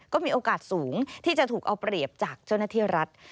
ก็มีโอกาสสูงที่จะถูกเอาเปรียบจากเจ้าหน้าที่รัฐ